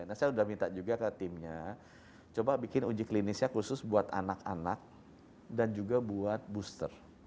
nah saya sudah minta juga ke timnya coba bikin uji klinisnya khusus buat anak anak dan juga buat booster